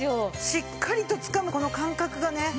しっかりとつかむこの感覚がね